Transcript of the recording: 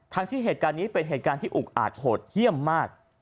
ที่เหตุการณ์นี้เป็นเหตุการณ์ที่อุกอาจโหดเยี่ยมมาก